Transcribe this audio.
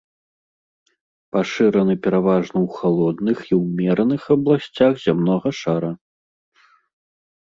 Пашыраны пераважна ў халодных і ўмераных абласцях зямнога шара.